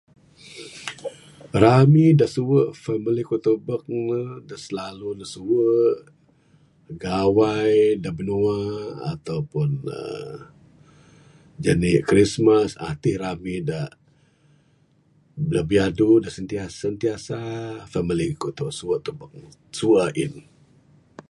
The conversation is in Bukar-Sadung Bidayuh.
Rami da suwe family ku tubek ne da slalu suwe gawai da binua ato pun uhh jani'k Christmas ti rami da biadu da sentiasa family ku suwe tubek ne, suwe ain.